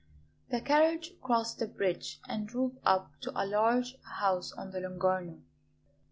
The carriage crossed the bridge and drove up to a large house on the Lung'Arno.